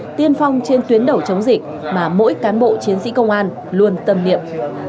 không chỉ riêng phong trên tuyến đẩu chống dịch mà mỗi cán bộ chiến sĩ công an luôn tâm niệm